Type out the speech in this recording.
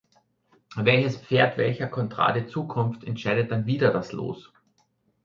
Welches Pferd welcher Contrade zukommt, entscheidet dann wieder das Los.